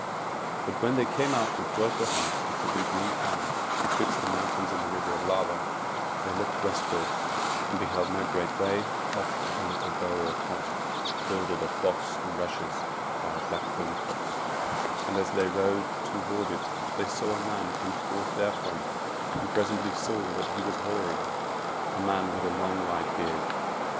But when they came out with joyful hearts into the green plain betwixt the mountains and the River of Lava, they looked westward, and beheld no great way off a little bower or cot, builded of boughs and rushes by a blackthorn copse; and as they rode toward it they saw a man come forth therefrom, and presently saw that he was hoary, a man with a long white beard.